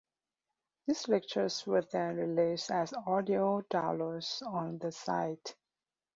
These lectures were then released as audio downloads on the site.